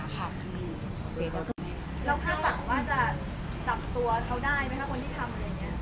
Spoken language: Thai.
แล้วคาดหวังว่าจะจับตัวเขาได้ไหมคะคนที่ทำอะไรอย่างนี้